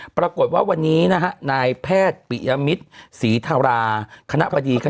ปรากฏว่าวันนี้นะฮะนายแพทย์ปิยมิตรศรีธาราคณะบดีคณะ